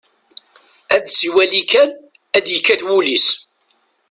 Ad tt-iwali kan, ad yekkat wul-is.